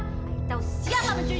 aku tahu siapa yang mencuri